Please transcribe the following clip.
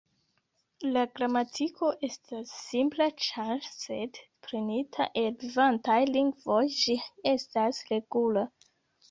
La gramatiko estas simpla, ĉar sed prenita el vivantaj lingvoj, ĝi estas regula.